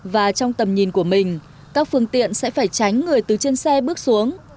và trong tầm nhìn của mình các phương tiện sẽ phải tránh người từ trên xe bước xuống